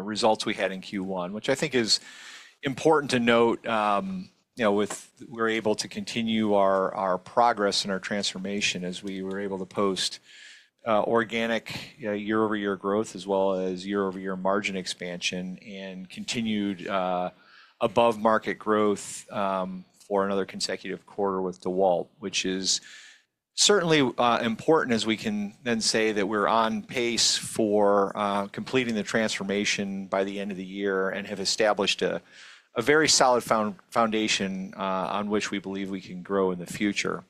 Results we had in Q1, which I think is important to note. We were able to continue our progress and our transformation as we were able to post organic year-over-year growth, as well as year-over-year margin expansion, and continued above-market growth for another consecutive quarter with DEWALT, which is certainly important as we can then say that we're on pace for completing the transformation by the end of the year and have established a very solid foundation on which we believe we can grow in the future.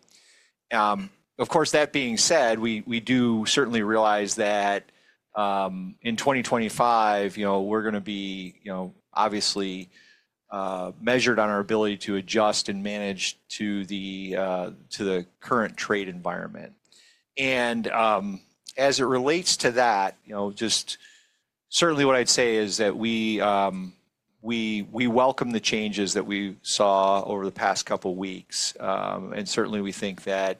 Of course, that being said, we do certainly realize that in 2025, we're going to be obviously measured on our ability to adjust and manage to the current trade environment. As it relates to that, just certainly what I'd say is that we welcome the changes that we saw over the past couple of weeks. Certainly, we think that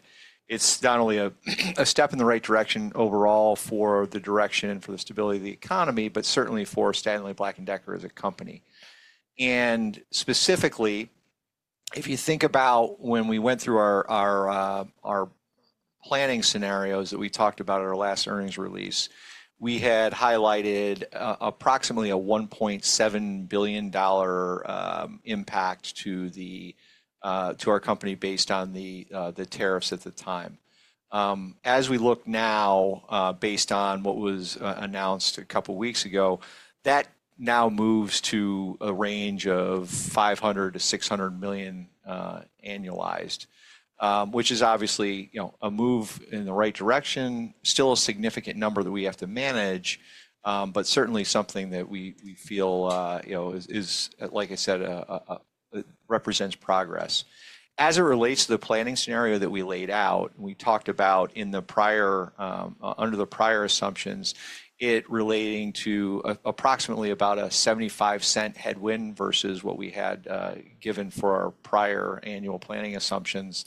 it's not only a step in the right direction overall for the direction and for the stability of the economy, but certainly for Stanley Black & Decker as a company. Specifically, if you think about when we went through our planning scenarios that we talked about at our last earnings release, we had highlighted approximately a $1.7 billion impact to our company based on the tariffs at the time. As we look now, based on what was announced a couple of weeks ago, that now moves to a range of $500 million-$600 million annualized, which is obviously a move in the right direction, still a significant number that we have to manage, but certainly something that we feel, like I said, represents progress. As it relates to the planning scenario that we laid out, we talked about under the prior assumptions, it relating to approximately about a $0.75 headwind versus what we had given for our prior annual planning assumptions.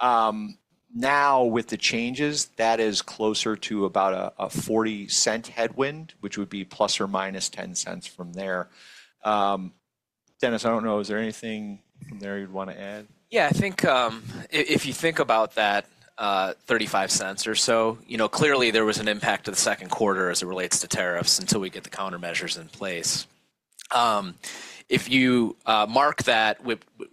Now, with the changes, that is closer to about a $0.40 headwind, which would be ±$0.10 from there. Dennis, I don't know, is there anything from there you'd want to add? Yeah, I think if you think about that $0.35 or so, clearly there was an impact to the second quarter as it relates to tariffs until we get the countermeasures in place. If you mark that,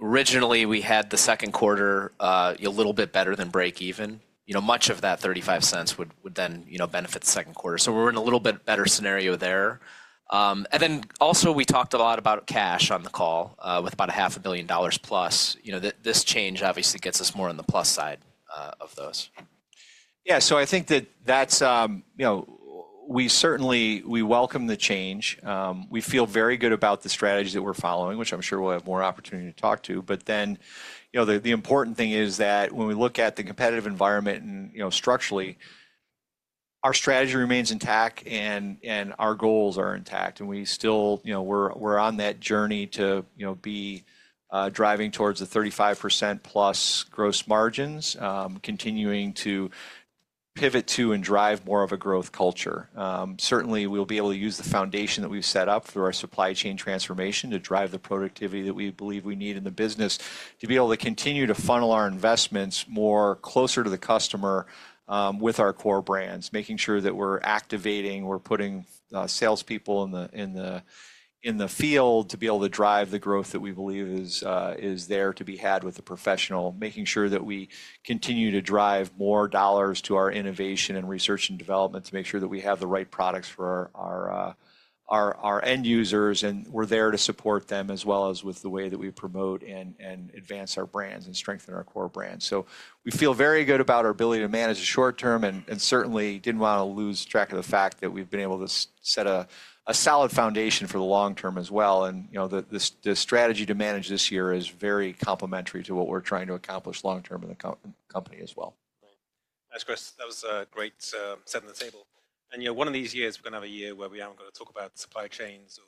originally we had the second quarter a little bit better than break-even. Much of that $0.35 would then benefit the second quarter. We are in a little bit better scenario there. We also talked a lot about cash on the call with about $500 million plus. This change obviously gets us more on the plus side of those. Yeah, so I think that we certainly welcome the change. We feel very good about the strategy that we're following, which I'm sure we'll have more opportunity to talk to. The important thing is that when we look at the competitive environment and structurally, our strategy remains intact and our goals are intact. We still, we're on that journey to be driving towards the 35%+ gross margins, continuing to pivot to and drive more of a growth culture. Certainly, we'll be able to use the foundation that we've set up through our supply chain transformation to drive the productivity that we believe we need in the business, to be able to continue to funnel our investments more closer to the customer with our core brands, making sure that we're activating, we're putting salespeople in the field to be able to drive the growth that we believe is there to be had with the professional, making sure that we continue to drive more dollars to our innovation and research and development to make sure that we have the right products for our end users. We are there to support them as well as with the way that we promote and advance our brands and strengthen our core brands. We feel very good about our ability to manage the short term and certainly did not want to lose track of the fact that we have been able to set a solid foundation for the long term as well. The strategy to manage this year is very complementary to what we are trying to accomplish long term in the company as well. Nice Chris. That was a great set on the table. One of these years, we're going to have a year where we aren't going to talk about supply chains or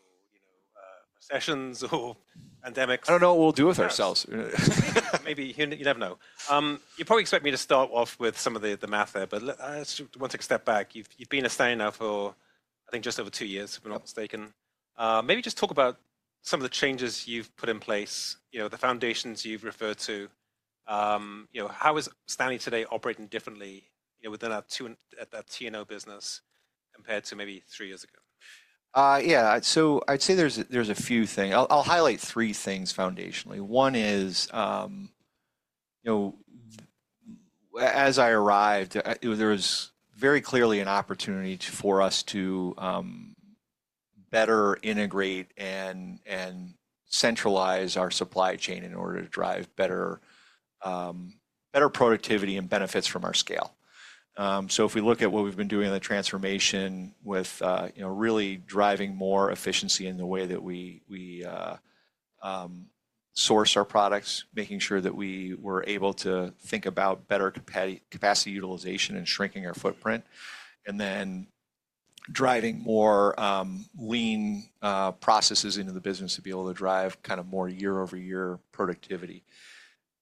recessions or pandemics. I don't know what we'll do with ourselves. Maybe you never know. You probably expect me to start off with some of the math there, but let's just one step back. You've been at Stanley now for, I think, just over two years, if I'm not mistaken. Maybe just talk about some of the changes you've put in place, the foundations you've referred to. How is Stanley today operating differently within that T&O business compared to maybe three years ago? Yeah, so I'd say there's a few things. I'll highlight three things foundationally. One is, as I arrived, there was very clearly an opportunity for us to better integrate and centralize our supply chain in order to drive better productivity and benefits from our scale. If we look at what we've been doing in the transformation with really driving more efficiency in the way that we source our products, making sure that we were able to think about better capacity utilization and shrinking our footprint, and then driving more lean processes into the business to be able to drive kind of more year-over-year productivity.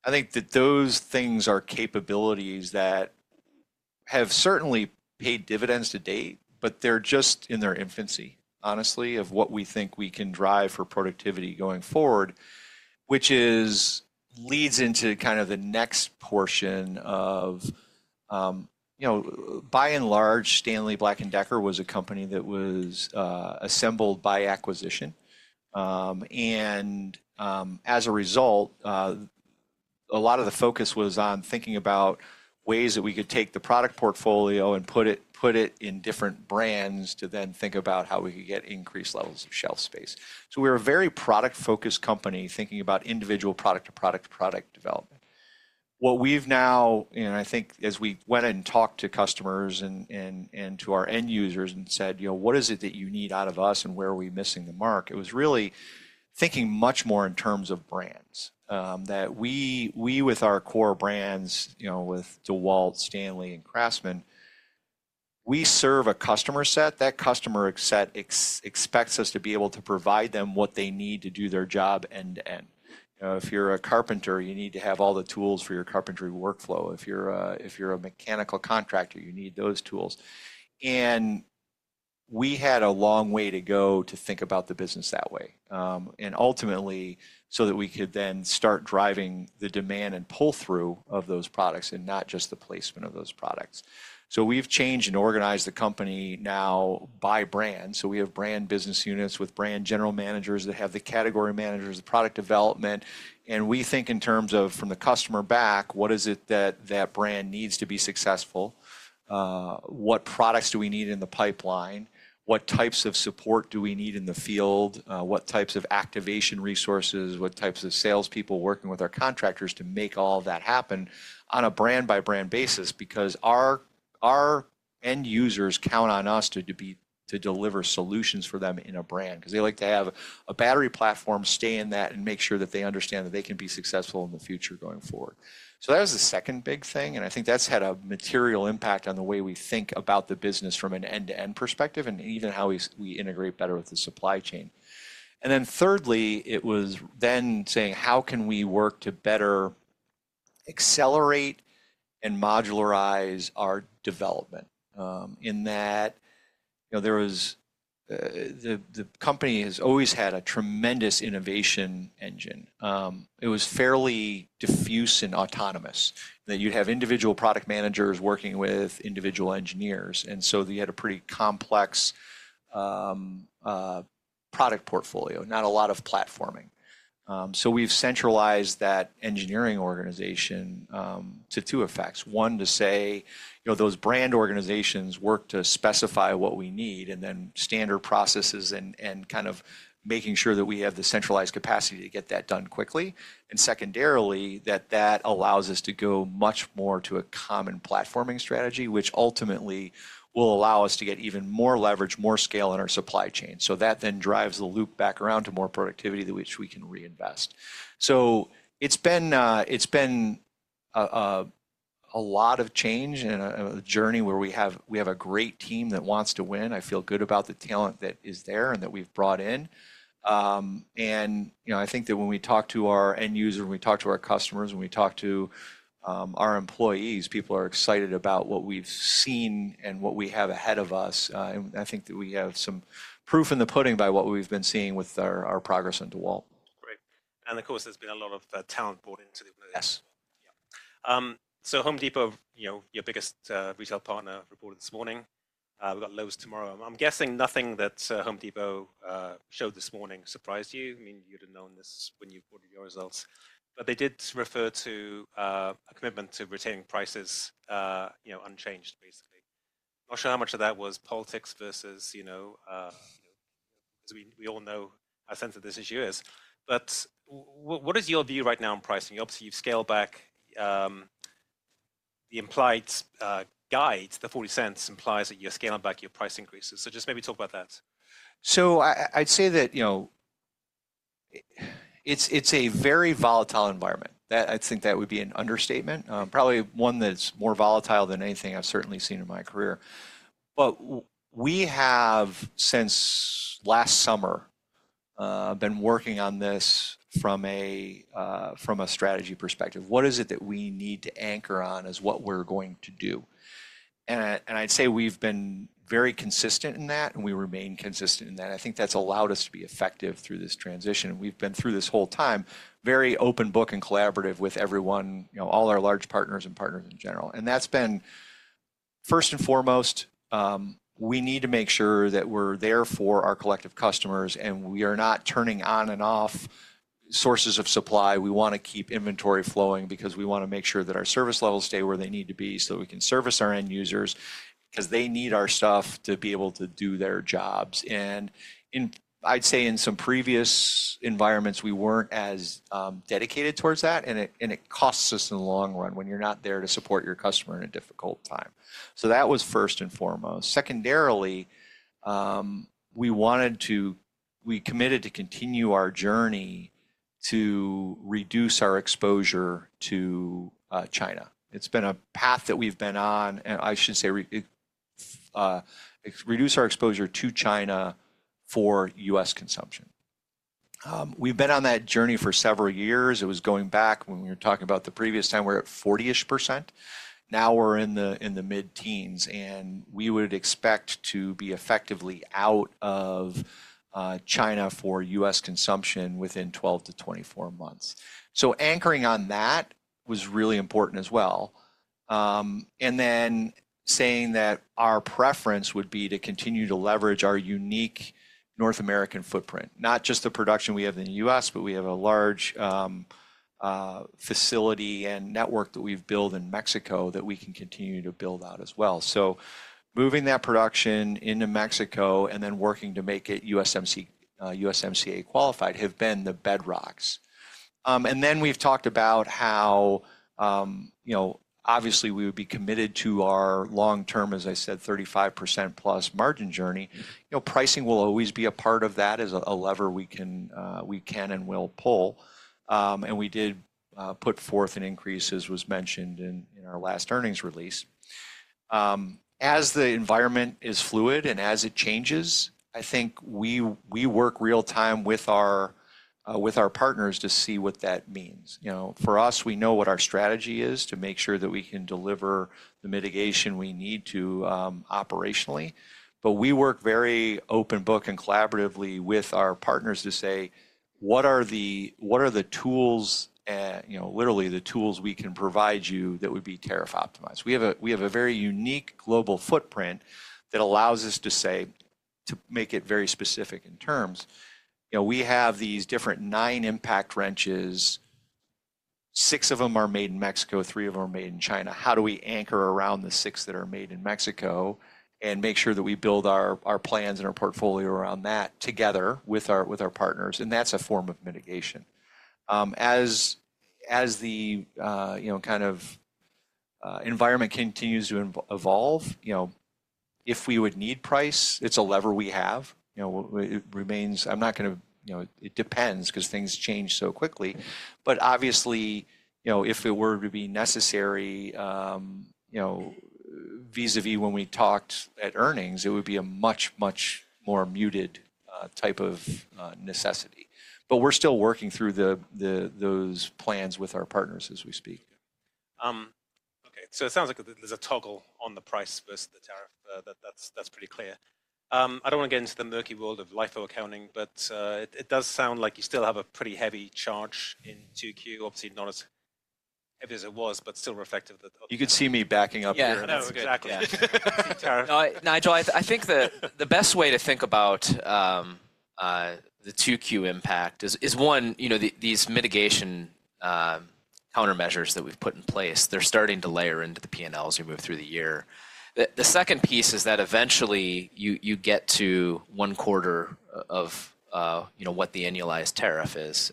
I think that those things are capabilities that have certainly paid dividends to date, but they're just in their infancy, honestly, of what we think we can drive for productivity going forward, which leads into kind of the next portion of, by and large, Stanley Black & Decker was a company that was assembled by acquisition. As a result, a lot of the focus was on thinking about ways that we could take the product portfolio and put it in different brands to then think about how we could get increased levels of shelf space. We are a very product-focused company thinking about individual product-to-product product development. What we've now, and I think as we went and talked to customers and to our end users and said, "What is it that you need out of us and where are we missing the mark?" it was really thinking much more in terms of brands. That we, with our core brands, with DEWALT, STANLEY, and CRAFTSMAN, we serve a customer set. That customer set expects us to be able to provide them what they need to do their job end-to-end. If you're a carpenter, you need to have all the tools for your carpentry workflow. If you're a mechanical contractor, you need those tools. We had a long way to go to think about the business that way. Ultimately, so that we could then start driving the demand and pull-through of those products and not just the placement of those products. We have changed and organized the company now by brand. We have brand business units with brand general managers that have the category managers, the product development. We think in terms of from the customer back, what is it that that brand needs to be successful? What products do we need in the pipeline? What types of support do we need in the field? What types of activation resources? What types of salespeople working with our contractors to make all that happen on a brand-by-brand basis? Our end users count on us to deliver solutions for them in a brand. They like to have a battery platform, stay in that, and make sure that they understand that they can be successful in the future going forward. That was the second big thing. I think that's had a material impact on the way we think about the business from an end-to-end perspective and even how we integrate better with the supply chain. Thirdly, it was then saying, how can we work to better accelerate and modularize our development? In that, the company has always had a tremendous innovation engine. It was fairly diffuse and autonomous, that you'd have individual product managers working with individual engineers. They had a pretty complex product portfolio, not a lot of platforming. We've centralized that engineering organization to two effects. One, to say those brand organizations work to specify what we need, and then standard processes and kind of making sure that we have the centralized capacity to get that done quickly. Secondarily, that allows us to go much more to a common platforming strategy, which ultimately will allow us to get even more leverage, more scale in our supply chain. That then drives the loop back around to more productivity to which we can reinvest. It has been a lot of change and a journey where we have a great team that wants to win. I feel good about the talent that is there and that we have brought in. I think that when we talk to our end users, when we talk to our customers, when we talk to our employees, people are excited about what we have seen and what we have ahead of us. I think that we have some proof in the pudding by what we have been seeing with our progress on DEWALT. Great. Of course, there's been a lot of talent brought into the business. Yes. Home Depot, your biggest retail partner, reported this morning. We've got Lowe's tomorrow. I'm guessing nothing that Home Depot showed this morning surprised you. I mean, you'd have known this when you reported your results. They did refer to a commitment to retaining prices unchanged, basically. Not sure how much of that was politics versus because we all know how sensitive this issue is. What is your view right now on pricing? Obviously, you've scaled back the implied guide. The $0.40 implies that you're scaling back your price increases. Just maybe talk about that. I'd say that it's a very volatile environment. I think that would be an understatement. Probably one that's more volatile than anything I've certainly seen in my career. We have, since last summer, been working on this from a strategy perspective. What is it that we need to anchor on is what we're going to do. I'd say we've been very consistent in that, and we remain consistent in that. I think that's allowed us to be effective through this transition. We've been through this whole time very open book and collaborative with everyone, all our large partners and partners in general. That's been first and foremost, we need to make sure that we're there for our collective customers and we are not turning on and off sources of supply. We want to keep inventory flowing because we want to make sure that our service levels stay where they need to be so that we can service our end users because they need our stuff to be able to do their jobs. I'd say in some previous environments, we weren't as dedicated towards that, and it costs us in the long run when you're not there to support your customer in a difficult time. That was first and foremost. Secondarily, we committed to continue our journey to reduce our exposure to China. It's been a path that we've been on, and I should say reduce our exposure to China for U.S. consumption. We've been on that journey for several years. It was going back when we were talking about the previous time we were at 40-ish percent. Now we're in the mid-teens, and we would expect to be effectively out of China for U.S. consumption within 12-24 months. Anchoring on that was really important as well. Saying that our preference would be to continue to leverage our unique North American footprint, not just the production we have in the U.S., but we have a large facility and network that we've built in Mexico that we can continue to build out as well. Moving that production into Mexico and then working to make it USMCA-qualified have been the bedrocks. We've talked about how obviously we would be committed to our long-term, as I said, 35%+ margin journey. Pricing will always be a part of that as a lever we can and will pull. We did put forth an increase, as was mentioned in our last earnings release. As the environment is fluid and as it changes, I think we work real-time with our partners to see what that means. For us, we know what our strategy is to make sure that we can deliver the mitigation we need to operationally. We work very open book and collaboratively with our partners to say, what are the tools, literally the tools we can provide you that would be tariff optimized? We have a very unique global footprint that allows us to say, to make it very specific in terms, we have these different nine impact wrenches. Six of them are made in Mexico, three of them are made in China. How do we anchor around the six that are made in Mexico and make sure that we build our plans and our portfolio around that together with our partners? That is a form of mitigation. As the kind of environment continues to evolve, if we would need price, it's a lever we have. It remains, I'm not going to, it depends because things change so quickly. Obviously, if it were to be necessary, vis-à-vis when we talked at earnings, it would be a much, much more muted type of necessity. We're still working through those plans with our partners as we speak. Okay. So it sounds like there's a toggle on the price versus the tariff. That's pretty clear. I don't want to get into the murky world of LIFO accounting, but it does sound like you still have a pretty heavy charge in 2Q. Obviously, not as heavy as it was, but still reflective of. You could see me backing up here. Yeah, no, exactly. Nigel, I think the best way to think about the 2Q impact is, one, these mitigation countermeasures that we've put in place, they're starting to layer into the P&Ls as you move through the year. The second piece is that eventually you get to one quarter of what the annualized tariff is.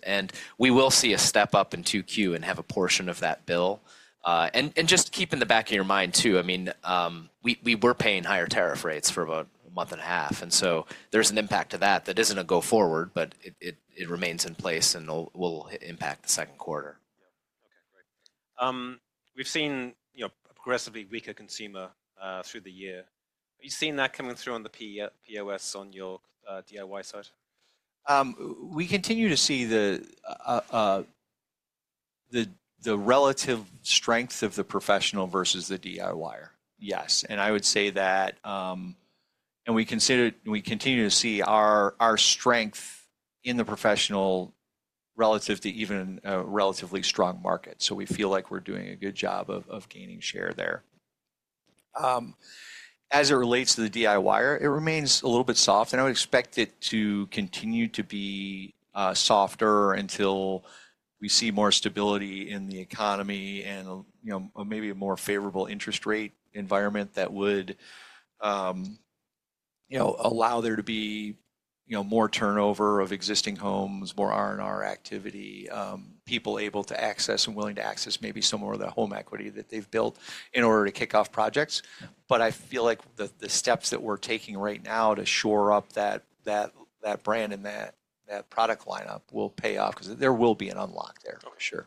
We will see a step up in 2Q and have a portion of that bill. Just keep in the back of your mind too, I mean, we were paying higher tariff rates for about a month and a half. There's an impact to that. That isn't a go-forward, but it remains in place and will impact the second quarter. Okay, great. We've seen a progressively weaker consumer through the year. Are you seeing that coming through on the POS on your DIY side? We continue to see the relative strength of the professional versus the DIYer. Yes. I would say that, and we continue to see our strength in the professional relative to even a relatively strong market. We feel like we are doing a good job of gaining share there. As it relates to the DIYer, it remains a little bit soft. I would expect it to continue to be softer until we see more stability in the economy and maybe a more favorable interest rate environment that would allow there to be more turnover of existing homes, more R&R activity, people able to access and willing to access maybe some more of the home equity that they have built in order to kick off projects. I feel like the steps that we're taking right now to shore up that brand and that product lineup will pay off because there will be an unlock there. Sure.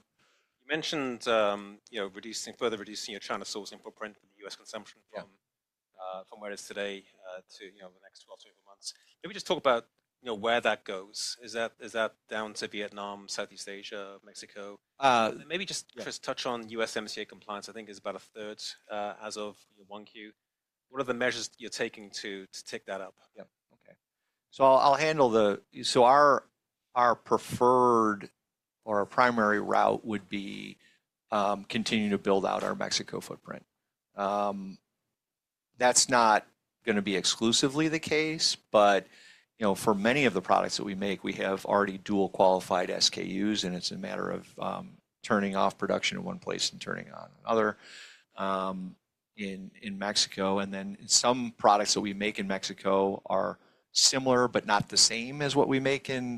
You mentioned further reducing your China sourcing footprint and U.S. consumption from where it is today to the next 12 to 18 months. Maybe just talk about where that goes. Is that down to Vietnam, Southeast Asia, Mexico? Maybe just touch on USMCA compliance. I think it's about a third as of 1Q. What are the measures you're taking to take that up? Yeah, okay. I'll handle the, so our preferred or our primary route would be continue to build out our Mexico footprint. That's not going to be exclusively the case, but for many of the products that we make, we have already dual qualified SKUs, and it's a matter of turning off production in one place and turning on another in Mexico. Some products that we make in Mexico are similar, but not the same as what we make in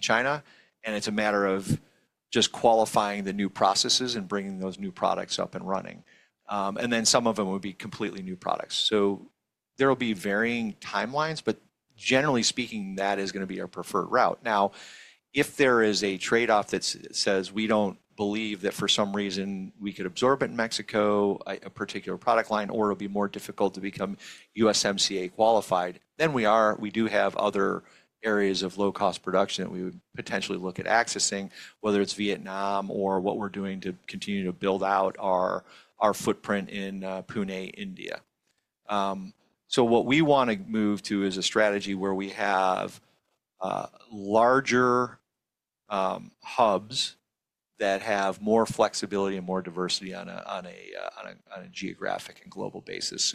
China, and it's a matter of just qualifying the new processes and bringing those new products up and running. Some of them would be completely new products. There will be varying timelines, but generally speaking, that is going to be our preferred route. Now, if there is a trade-off that says we do not believe that for some reason we could absorb it in Mexico, a particular product line, or it will be more difficult to become USMCA qualified, then we do have other areas of low-cost production that we would potentially look at accessing, whether it is Vietnam or what we are doing to continue to build out our footprint in Pune, India. What we want to move to is a strategy where we have larger hubs that have more flexibility and more diversity on a geographic and global basis.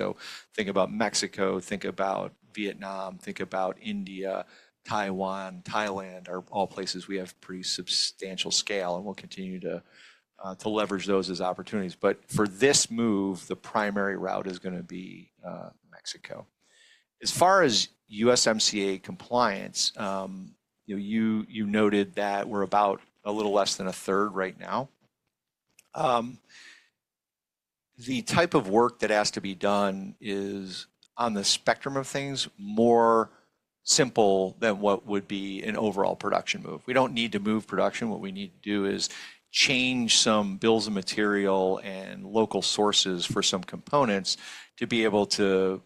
Think about Mexico, think about Vietnam, think about India, Taiwan, Thailand, are all places we have pretty substantial scale, and we will continue to leverage those as opportunities. For this move, the primary route is going to be Mexico. As far as USMCA compliance, you noted that we're about a little less than a third right now. The type of work that has to be done is, on the spectrum of things, more simple than what would be an overall production move. We don't need to move production. What we need to do is change some bills of material and local sources for some components to be able to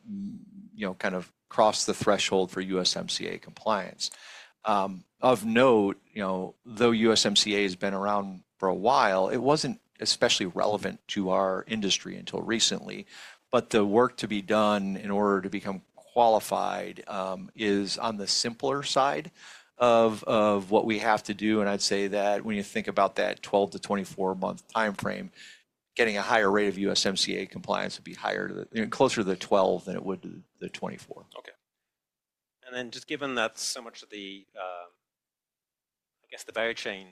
kind of cross the threshold for USMCA compliance. Of note, though USMCA has been around for a while, it wasn't especially relevant to our industry until recently. The work to be done in order to become qualified is on the simpler side of what we have to do. I'd say that when you think about that 12-24 month timeframe, getting a higher rate of USMCA compliance would be closer to the 12 than it would be the 24. Okay. And then just given that so much of the, I guess, the value chain,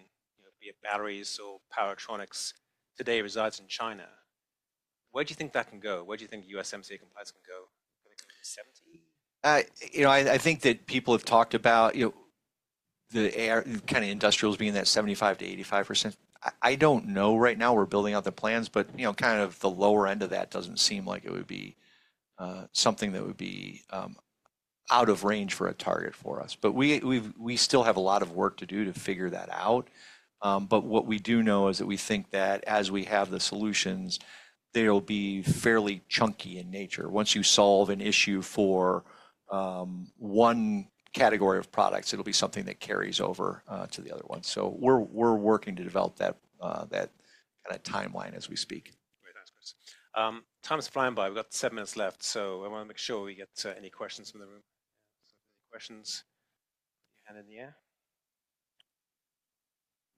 be it batteries or power electronics today, resides in China, where do you think that can go? Where do you think USMCA compliance can go? 70? I think that people have talked about the kind of industrials being that 75%-85%. I don't know right now. We're building out the plans, but kind of the lower end of that doesn't seem like it would be something that would be out of range for a target for us. We still have a lot of work to do to figure that out. What we do know is that we think that as we have the solutions, they'll be fairly chunky in nature. Once you solve an issue for one category of products, it'll be something that carries over to the other one. We're working to develop that kind of timeline as we speak. Great answers. Time is flying by. We've got seven minutes left, so I want to make sure we get any questions from the room. Any questions? Put your hand in the air.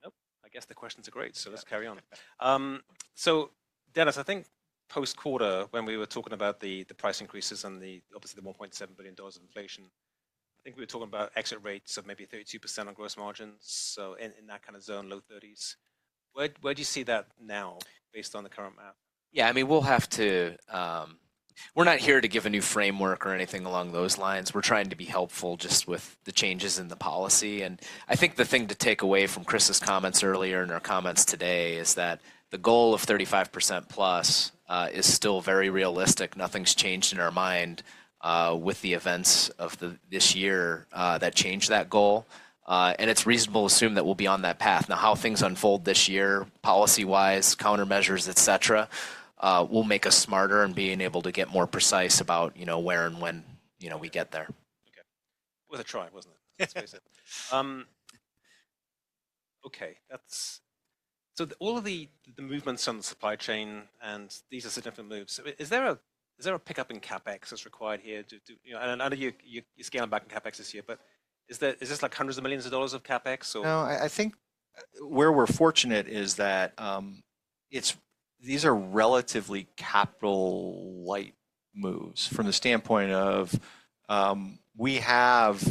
Nope. I guess the questions are great, so let's carry on. So Dennis, I think post-quarter, when we were talking about the price increases and obviously the $1.7 billion of inflation, I think we were talking about exit rates of maybe 32% on gross margins, so in that kind of zone, low 30s. Where do you see that now based on the current map? Yeah, I mean, we'll have to, we're not here to give a new framework or anything along those lines. We're trying to be helpful just with the changes in the policy. I think the thing to take away from Chris's comments earlier and our comments today is that the goal of 35%+ is still very realistic. Nothing's changed in our mind with the events of this year that changed that goal. It's reasonable to assume that we'll be on that path. Now, how things unfold this year, policy-wise, countermeasures, etc., will make us smarter in being able to get more precise about where and when we get there. Okay. Worth a try, wasn't it? Yes. Okay. So all of the movements on the supply chain, and these are significant moves. Is there a pickup in CapEx that's required here? And I know you're scaling back in CapEx this year, but is this like hundreds of millions of dollars of CapEx, or? No, I think where we're fortunate is that these are relatively capital-light moves from the standpoint of we have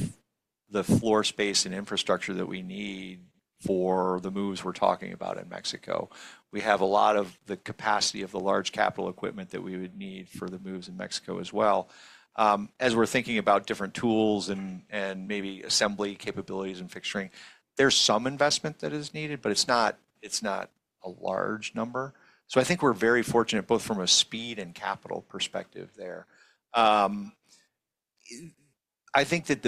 the floor space and infrastructure that we need for the moves we're talking about in Mexico. We have a lot of the capacity of the large capital equipment that we would need for the moves in Mexico as well. As we're thinking about different tools and maybe assembly capabilities and fixturing, there's some investment that is needed, but it's not a large number. I think we're very fortunate both from a speed and capital perspective there. I think that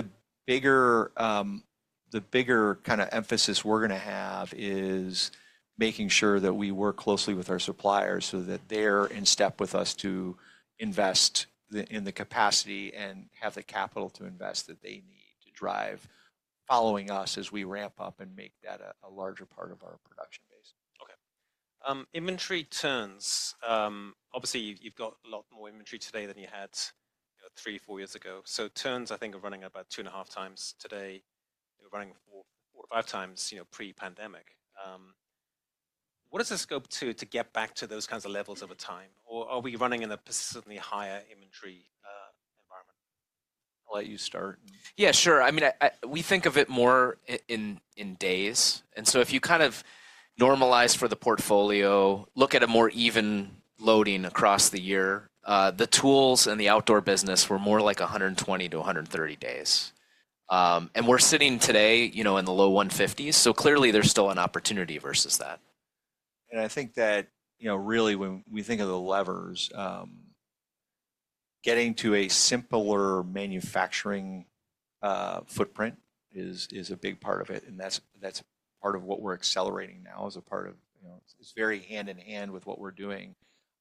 the bigger kind of emphasis we're going to have is making sure that we work closely with our suppliers so that they're in step with us to invest in the capacity and have the capital to invest that they need to drive following us as we ramp up and make that a larger part of our production base. Okay. Inventory turns. Obviously, you've got a lot more inventory today than you had three, four years ago. So turns, I think, are running at about 2.5x today. They were running 4 or 5x pre-pandemic. What is the scope to get back to those kinds of levels over time? Are we running in a persistently higher inventory environment? I'll let you start. Yeah, sure. I mean, we think of it more in days. If you kind of normalize for the portfolio, look at a more even loading across the year, the tools and the outdoor business were more like 120-130 days. We're sitting today in the low 150s. Clearly, there's still an opportunity versus that. I think that really, when we think of the levers, getting to a simpler manufacturing footprint is a big part of it. That's part of what we're accelerating now as a part of, it's very hand in hand with what we're doing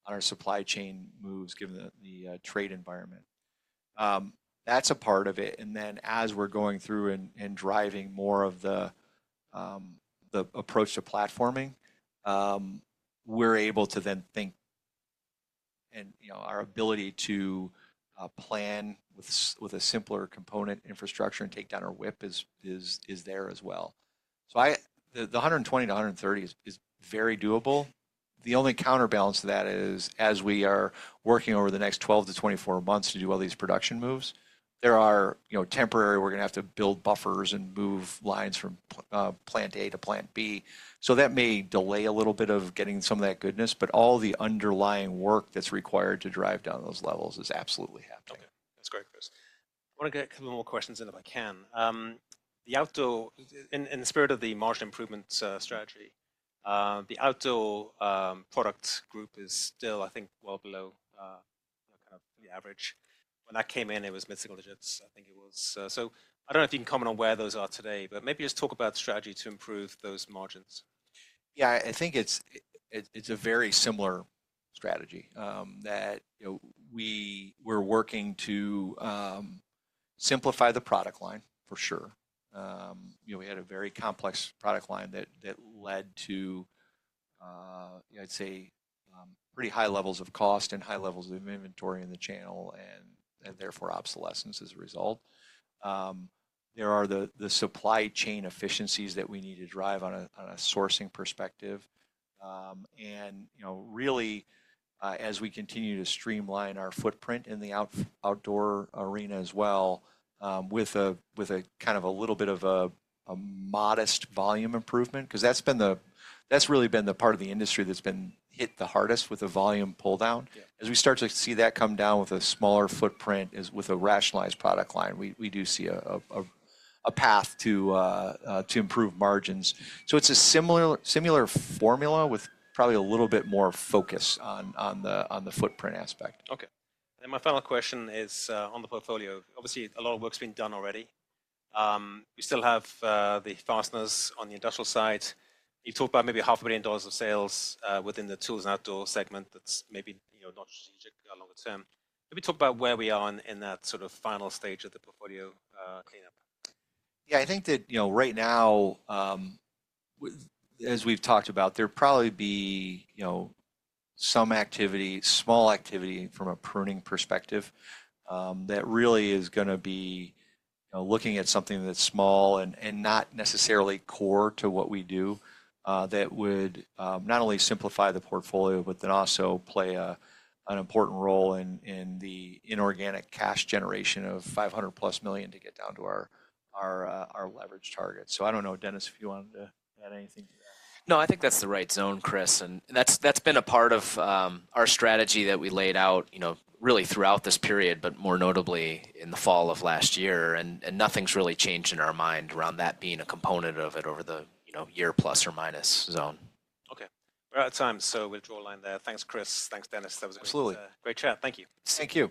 on our supply chain moves given the trade environment. That's a part of it. As we're going through and driving more of the approach to platforming, we're able to then think, and our ability to plan with a simpler component infrastructure and take down our WIP is there as well. The 120-130 is very doable. The only counterbalance to that is, as we are working over the next 12-24 months to do all these production moves, there are temporary, we're going to have to build buffers and move lines from plant A to plant B. That may delay a little bit of getting some of that goodness, but all the underlying work that's required to drive down those levels is absolutely happening. Okay. That's great, Chris. I want to get a couple more questions in if I can. In the spirit of the margin improvement strategy, the outdoor product group is still, I think, well below kind of the average. When I came in, it was mid-single digits, I think it was. I do not know if you can comment on where those are today, but maybe just talk about strategy to improve those margins. Yeah, I think it's a very similar strategy that we're working to simplify the product line, for sure. We had a very complex product line that led to, I'd say, pretty high levels of cost and high levels of inventory in the channel and therefore obsolescence as a result. There are the supply chain efficiencies that we need to drive on a sourcing perspective. Really, as we continue to streamline our footprint in the outdoor arena as well with a kind of a little bit of a modest volume improvement, because that's really been the part of the industry that's been hit the hardest with a volume pull down. As we start to see that come down with a smaller footprint, with a rationalized product line, we do see a path to improve margins. It's a similar formula with probably a little bit more focus on the footprint aspect. Okay. My final question is on the portfolio. Obviously, a lot of work's been done already. We still have the fasteners on the industrial side. You talked about maybe $500 million of sales within the tools and outdoor segment that's maybe not strategic longer term. Maybe talk about where we are in that sort of final stage of the portfolio cleanup. Yeah, I think that right now, as we've talked about, there'll probably be some activity, small activity from a pruning perspective that really is going to be looking at something that's small and not necessarily core to what we do that would not only simplify the portfolio, but then also play an important role in the inorganic cash generation of $500+ million plus to get down to our leverage target. I don't know, Dennis, if you wanted to add anything to that. No, I think that's the right zone, Chris. And that's been a part of our strategy that we laid out really throughout this period, but more notably in the fall of last year. Nothing's really changed in our mind around that being a component of it over the year plus or minus zone. Okay. We're out of time, so we'll draw a line there. Thanks, Chris. Thanks, Dennis. That was a great chat. Thank you. Thank you.